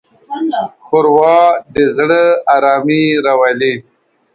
ښوروا د زړه ارامي راولي.